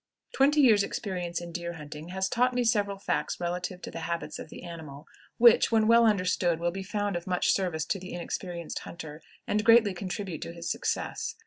Twenty years' experience in deer hunting has taught me several facts relative to the habits of the animal which, when well understood, will be found of much service to the inexperienced hunter, and greatly contribute to his success.